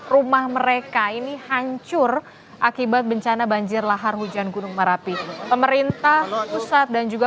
rumah mereka ini hancur akibat bencana banjir lahar hujan gunung merapi pemerintah pusat dan juga